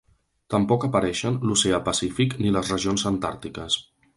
Tampoc apareixen l'oceà Pacífic ni les regions antàrtiques.